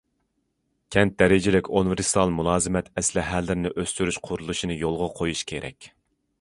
كەنت دەرىجىلىك ئۇنىۋېرسال مۇلازىمەت ئەسلىھەلىرىنى ئۆستۈرۈش قۇرۇلۇشىنى يولغا قويۇش كېرەك.